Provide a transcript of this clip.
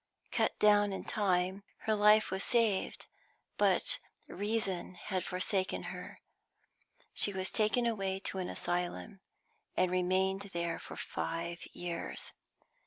Cut down in time, her life was saved, but reason had forsaken her. She was taken away to an asylum, and remained there for five years.